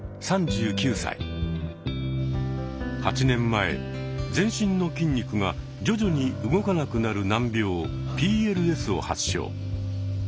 ８年前全身の筋肉が徐々に動かなくなる難病「ＰＬＳ」を発症。